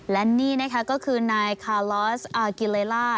และนี่นะคะก็คือนายคาลอสอากิเลล่า